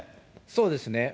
そうですね。